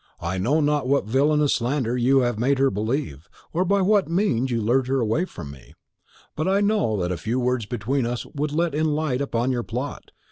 I know not what villanous slander you have made her believe, or by what means you lured her away from me; but I know that a few words between us would let in the light upon your plot.